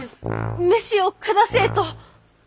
飯を下せえと！